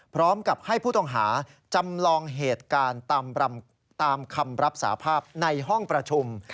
พร้อมกับให้ผู้ต้องหาจำลองเหตุการณ์ตามคำรับสาภาพในห้องประชุม